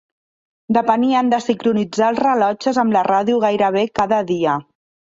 Depenien de sincronitzar els rellotges amb la ràdio gairebé cada dia.